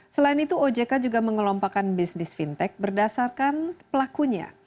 selain itu ojk juga mengelompokkan bisnis fintech berdasarkan pelakunya